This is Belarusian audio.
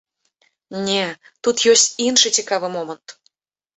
Не, тут ёсць іншы цікавы момант.